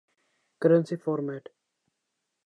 currency format